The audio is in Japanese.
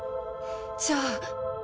じゃあ